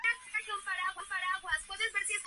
De esta manera, el Hands Up!